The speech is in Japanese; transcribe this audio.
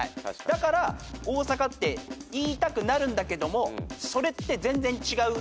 だから大阪って言いたくなるんだけどもそれって全然違う。